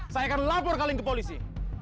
saya akan lapor kali ke polisi